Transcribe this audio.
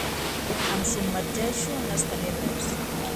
Em submergeixo en les tenebres.